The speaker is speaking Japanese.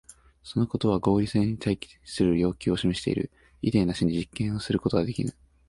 そのことは合理性に対する要求を示している。イデーなしには実験することができぬ。